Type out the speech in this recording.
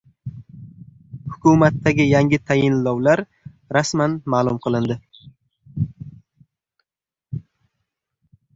Hukumatdagi yangi tayinlovlar rasman ma’lum qilindi